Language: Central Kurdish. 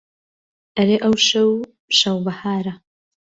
ئەرێ ئەوشەو شەو بەهارە